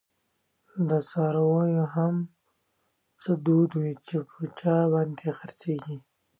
دڅارویو هم څه دود وی، چی په چا باندی خرڅیږی